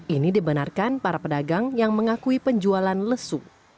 ini dibenarkan para pedagang yang mengakui penjualan lesu